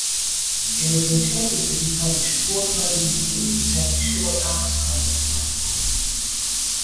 It was intended to be published four times a year, containing short arts comics.